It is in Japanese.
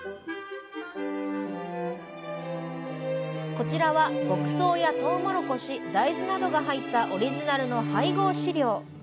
こちらは牧草やとうもろこし大豆などが入ったオリジナルの配合飼料。